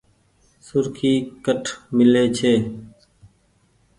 سرکي ڪٺ ميلي ڇي۔